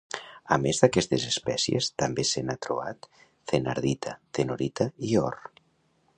A més d'aquestes espècies també se n'ha trobat thenardita, tenorita i or.